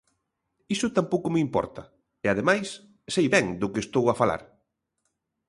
Iso tampouco me importa e, ademais, sei ben do que estou a falar.